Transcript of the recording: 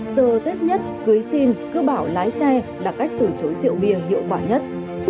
giờ tết nhất cưới xin cứ bảo lái xe là cách từ chối rượu bia hiệu quả nhất